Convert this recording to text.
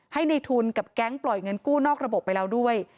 ให้ในทุนกับแก๊งปล่อยเงินกู้นอกระบบไปแล้วด้วย